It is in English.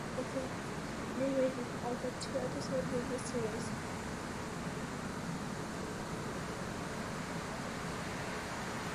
Strong's character has narrated all but two episodes of the series.